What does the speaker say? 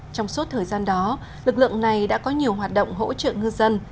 trong suốt thời gian đó lực lượng này đã có nhiều hoạt động hỗ trợ ngư dân